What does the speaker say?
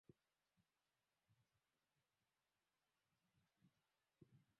na jitihada mbalimbali zimefanywa kutafuta istilahi inayoweza